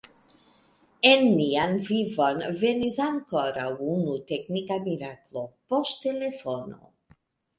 En nian vivon venis ankoraŭ unu teknika miraklo – poŝtelefono.